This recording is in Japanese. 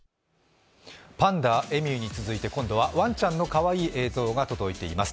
パンダ、エミューに続いて今度はワンちゃんのかわいい映像が届いています。